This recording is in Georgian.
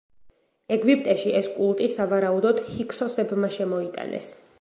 ეგვიპტეში ეს კულტი სავარაუდოდ, ჰიქსოსებმა შემოიტანეს.